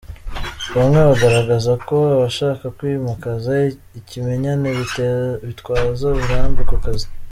Bamwe bagaragaza ko abashaka kwimakaza ikimenyane bitwaza uburambe ku kazi.